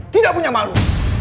tidak punya malu